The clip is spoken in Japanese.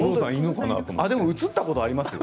映ったことありますよ。